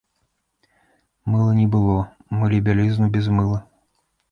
Мыла не было, мылі бялізну без мыла.